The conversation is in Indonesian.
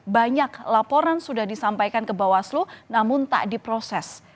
banyak laporan sudah disampaikan ke bawaslu namun tak diproses